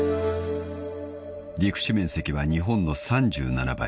［陸地面積は日本の３７倍］